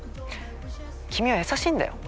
君は優しいんだよ。